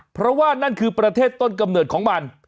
เพราะว่านั่นคือประเทศต้นกำเนิดของมัน